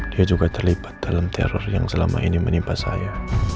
dia juga terlibat dalam teror yang selama ini menimpa saya